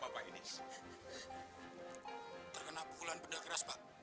pak udah pak